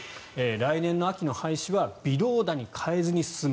来年の秋の廃止は微動だに変えずに進む。